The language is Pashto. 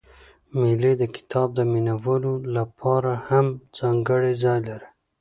مېلې د کتاب د مینه والو له پاره هم ځانګړى ځای لري.